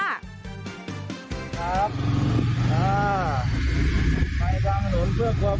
ขอบคุณครับ